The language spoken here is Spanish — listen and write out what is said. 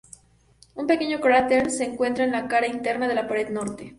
Un pequeño cráter se encuentra en la cara interna de la pared norte.